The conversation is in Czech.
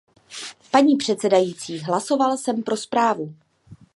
Paní předsedající, hlasoval jsem pro zprávu.